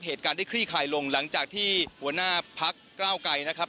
เป็นการได้คลี่ข่ายลงหลังจากที่ทหารพรรภักษณ์กล้าวกไกลนะครับ